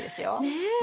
ねえ。